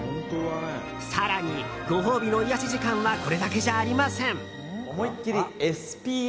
更に、ご褒美の癒やし時間はこれだけじゃありません。